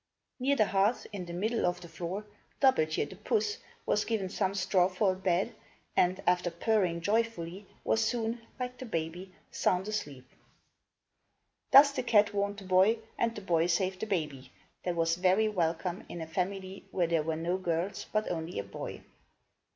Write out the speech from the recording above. Near the hearth, in the middle of the floor, Dub belt je', the puss, was given some straw for a bed and, after purring joyfully, was soon, like the baby, sound asleep. Thus the cat warned the boy, and the boy saved the baby, that was very welcome in a family where there were no girls, but only a boy.